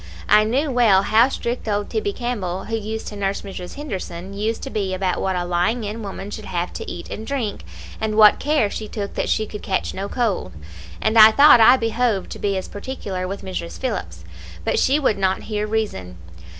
I knew well how strict old Tibbie Campbell, who used to nurse Mrs. Henderson, used to be about what a lying in woman should have to eat and drink, and what care she took that she could catch no cold, and I thought I behoved to be as particular with Mrs. Phillips; but she would not hear reason.